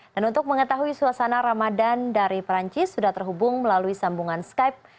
dan untuk mengetahui suasana ramadan dari perancis sudah terhubung melalui sambungan skype